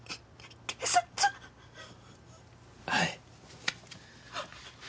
はい。